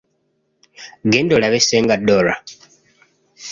Genda olabe Ssenga Dora.